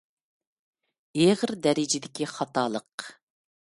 ئېغىر دەرىجىدىكى خاتالىق.